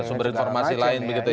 sumber informasi lain begitu ya